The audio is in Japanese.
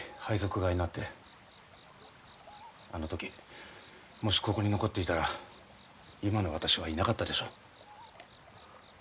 あの時もしここに残っていたら今の私はいなかったでしょう。